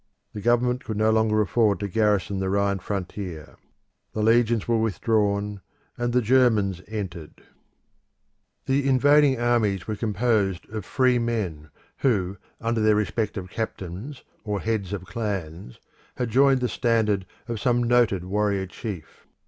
The government could no longer afford to garrison the Rhine frontier: the legions were withdrawn, and the Germans entered. The German Invasion The invading armies were composed of free men, who, under their respective captains or heads of clans, had joined the standard of some noted warrior chief.